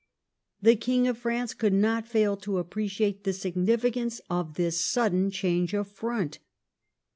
The King of Prance could not fail to appreciate the significance of this sudden change of front.